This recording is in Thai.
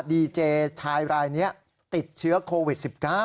ดีเจชายรายนี้ติดเชื้อโควิด๑๙